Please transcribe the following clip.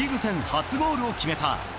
初ゴールを決めた。